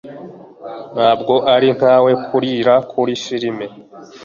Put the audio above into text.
Ntabwo ari nkawe kurira kuri firime.